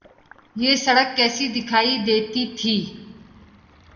یہ سڑک کیسی دکھائی دیتی تھی۔